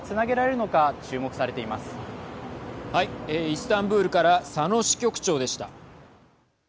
イスタンブールから佐野支局長でした。